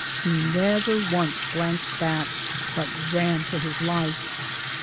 He never once glanced back, but ran for his life.